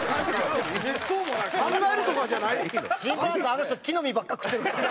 あの人木の実ばっか食ってるから。